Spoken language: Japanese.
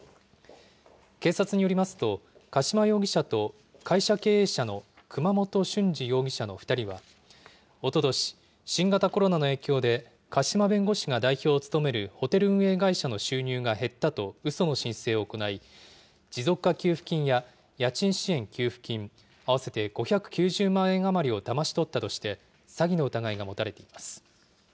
警察によりますと、加島容疑者と会社経営者の熊本俊二容疑者の２人は、おととし、新型コロナの影響で加島弁護士が代表を務めるホテル運営会社の収入が減ったとうその申請を行い、持続化給付金や家賃支援給付金、合わせて５９０万円余りをだまし取ったとして、詐欺の疑いが持たれています。